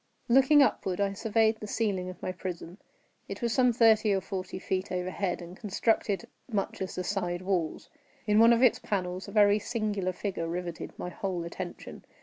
Looking upward, I surveyed the ceiling of my prison. It was some thirty or forty feet overhead, and constructed much as the side walls. In one of its panels a very singular figure riveted my whole attention.